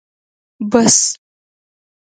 بس